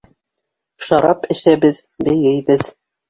Шарап әсәбеҙ, бейейбеҙ!..